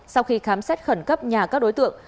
sau khi khám xét khẩn cấp nhà các đối tượng